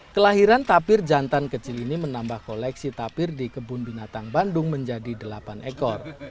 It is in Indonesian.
kelahiran tapir jantan kecil ini menambah koleksi tapir di kebun binatang bandung menjadi delapan ekor